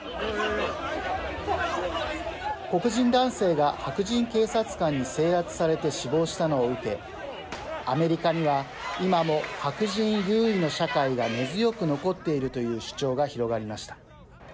黒人男性が白人警察官に制圧されて死亡したのを受けアメリカには今も白人優位の社会が根強く残っているという主張が広がりました。